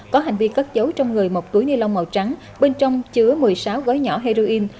có hành vi cất giấu trong người một túi ni lông màu trắng bên trong chứa một mươi sáu gói nhỏ heroin